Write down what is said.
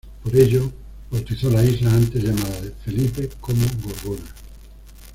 Por ello bautizó la isla, antes llamada de Felipe, como Gorgona.